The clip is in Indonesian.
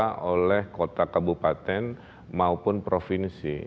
tidak dikelola oleh kota kabupaten maupun provinsi